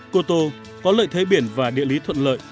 cô tô có lợi thế biển và địa lý thuận lợi